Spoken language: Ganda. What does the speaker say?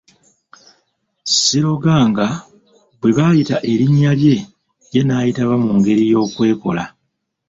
Siroganga bwe baayita erinnya lye, ye n'ayitaba mu ngeri y'okwekola.